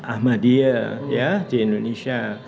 ahmadiyah ya di indonesia